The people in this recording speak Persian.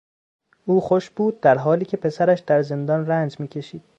او خوش بود درحالیکه پسرش در زندان رنج میکشید.